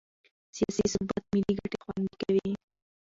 سیاسي ثبات ملي ګټې خوندي کوي